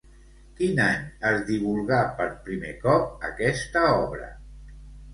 Quin any es divulgà per primer cop aquesta obra?